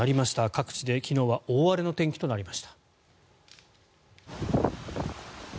各地で昨日は大荒れの天気となりました。